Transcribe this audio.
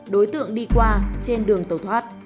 đối tượng đi qua trên đường tẩu thoát